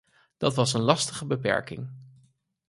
Dat was een lastige beperking.